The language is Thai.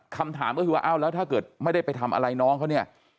คำถามก็คือว่าอ้าวแล้วถ้าเกิดไม่ได้ไปทำอะไรน้องเขาเนี่ย